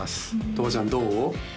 とわちゃんどう？